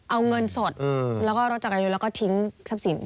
เอาเงินสดแล้วก็รถจักรยานยนต์แล้วก็ทิ้งทรัพย์สิน